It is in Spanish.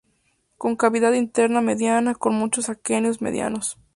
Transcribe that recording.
Con cavidad interna mediana, con muchos aquenios medianos.